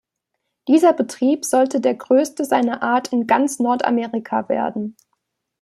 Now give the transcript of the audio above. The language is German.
Dieser Betrieb sollte der größte seiner Art in ganz Nordamerika werden.